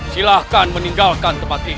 silahkan meninggalkan tempat ini